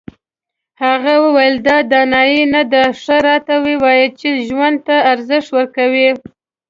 هغه وویل دا دانایي نه ده ښه راته ووایه چې ژوند ته ارزښت ورکوې.